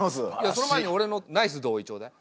その前におれのナイス同意ちょうだい。